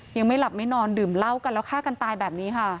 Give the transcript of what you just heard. ยังไม่หลับไม่นอนดื่มเหล้ากันแล้วฆ่ากันตายแบบนี้ค่ะ